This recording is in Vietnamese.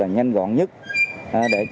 nhanh gọn nhất để